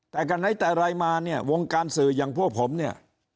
แต่กันไหนแต่ไรมาเนี่ยวงการสื่ออย่างพวกผมเนี่ย